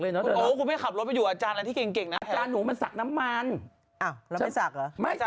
แล้วของที่คุณแม่มีเต็มตัวคืออะไรคะ